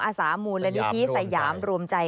อาสามูลละนิทีสยามร่วมใจ